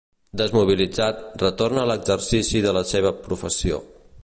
Desmobilitzat, retorna a l'exercici de la seva professió.